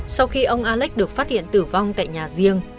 sau khi ông alex được phát hiện tử vong tại nhà riêng